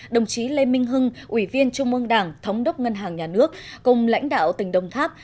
đồng chí lê minh hưng ủy viên trung ương đảng thống đốc ngân hàng nhà nước cùng lãnh đạo tỉnh đồng tháp